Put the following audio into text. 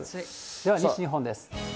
では西日本です。